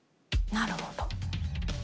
なるほど。